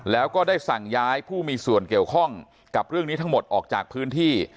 แล้วก็ได้สั่งย้ายผู้มีส่วนเกี่ยวข้องกับเรื่องนี้ทั้งหมดออกจากพื้นที่